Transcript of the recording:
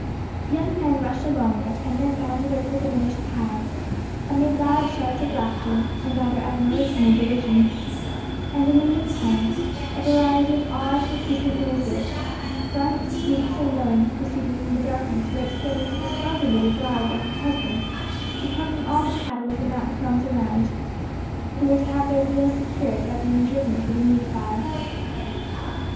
Young men rushed along it, and then bounded over the diminished pile, amid loud shouts of laughter and either admiration or derision; and, in the meantime, a variety of odd, recusant noises, grunts, squeaks, and lowings proceeding from the darkness were explained to the startled little bride by her husband to come from all the cattle of the mountain farms around, who were to have their weal secured by being driven through the Needfire.